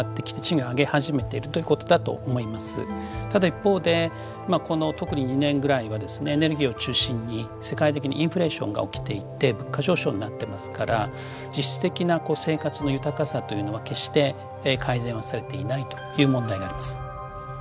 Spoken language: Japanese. ただ一方でこの特に２年ぐらいはですねエネルギーを中心に世界的にインフレーションが起きていて物価上昇になってますから実質的なこう生活の豊かさというのは決して改善はされていないという問題があります。